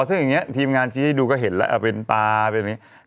ซึ่งอย่างนี้ทีมงานชี้ให้ดูก็เห็นแล้วเป็นตาเป็นอย่างนี้